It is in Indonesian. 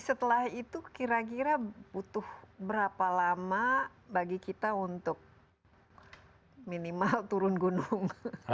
setelah itu kira kira butuh berapa lama bagi kita untuk minimal turun gunung